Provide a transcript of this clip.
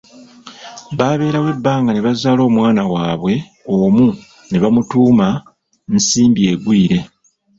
Babeerawo ebbanga ne bazaala omwana waabwe omu nebamutuuma Nsimbi Egwire.